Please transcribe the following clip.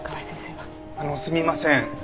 あのすみません。